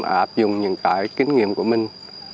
đã áp dụng những kinh nghiệm của mình